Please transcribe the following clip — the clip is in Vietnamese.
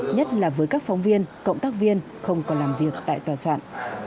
nhất là với các phóng viên cộng tác viên không còn làm việc tại tòa soạn